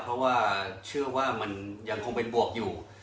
เพราะว่าเชื่อว่ามันยังคงเป็นบวกอยู่